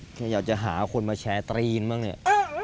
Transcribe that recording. แค่อยากจะหาคนมาแชร์ตรีนบ้างเนี่ย